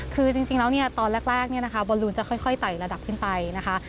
คือจริงแล้วตอนแรกบอลลูนจะค่อยไต่ระดับขึ้นไปนะคะ